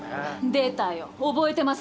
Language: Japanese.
出たよ、覚えてます